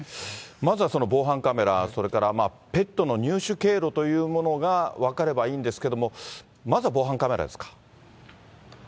まずは防犯カメラ、それからペットの入手経路というものが分かればいいんですけれども、まずは防犯カメラですか。